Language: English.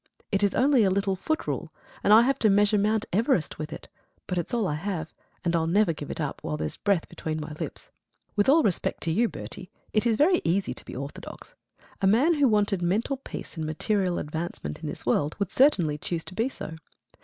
It is only a little foot rule, and I have to measure Mount Everest with it; but it's all I have, and I'll never give it up while there's breath between my lips. With all respect to you, Bertie, it is very easy to be orthodox. A man who wanted mental peace and material advancement in this world would certainly choose to be so.